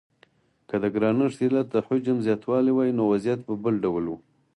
که د ګرانښت علت د حجم زیاتوالی وای نو وضعیت به بل ډول و.